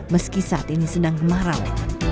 meski saat ini sedang kemarau